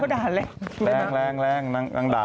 ได้เลยมา